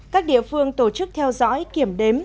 các địa phương tổ chức theo dõi kiểm đếm